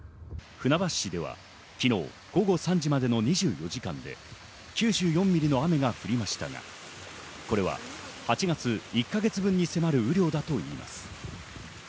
船橋市では、昨日午後３時までの２４時間で９４ミリの雨が降りましたが、これは８月１か月分に迫る雨量だといいます。